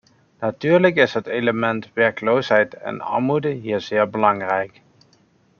Natuurlijk is het element werkloosheid en armoede hier zeer belangrijk.